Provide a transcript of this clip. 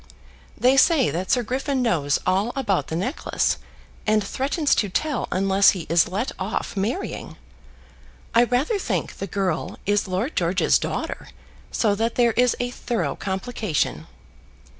They say that Sir Griffin knows all about the necklace, and threatens to tell unless he is let off marrying. I rather think the girl is Lord George's daughter, so that there is a thorough complication.